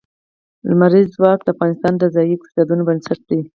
لمریز ځواک د افغانستان د ځایي اقتصادونو بنسټ دی.